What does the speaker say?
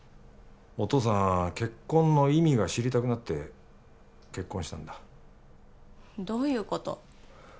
お父さん結婚の意味が知りたくなって結婚したんだどういうこと？